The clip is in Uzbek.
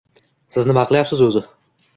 Siz nima qilyapsiz o‘zi?